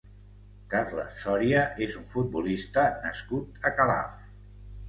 Carles Soria és un futbolista nascut a Calaf.